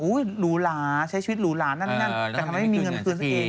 นั่นใช้ชีวิตลูลาใช้ชีวิตลูลานั่นนั่นงานนั้นก็ไม่มีเงินพื้นมันเอง